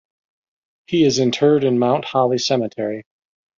He is interred in Mount Holly Cemetery.